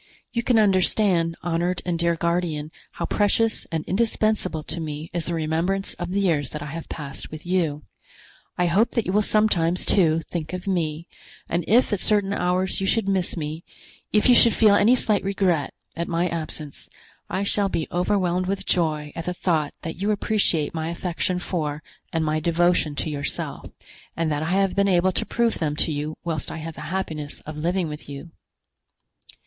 You can understand, honored and dear guardian, how precious and indispensable to me is the remembrance of the years that I have passed with you. I hope that you will sometimes, too, think of me, and if at certain hours you should miss me, if you should feel any slight regret at my absence, I shall be overwhelmed with joy at the thought that you appreciate my affection for and my devotion to yourself, and that I have been able to prove them to you whilst I had the happiness of living with you."